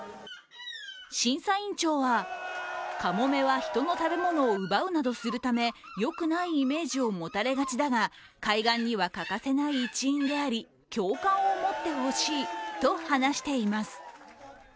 審査員長は、かもめは人の食べ物を奪うなどするためよくないイメージを持たれがちだが、海岸には欠かせない一員であり共感を持ってほしいと話しています。